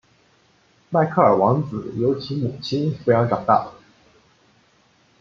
迈克尔王子由其母亲抚养长大。